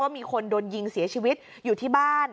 มีคนโดนยิงเสียชีวิตอยู่ที่บ้าน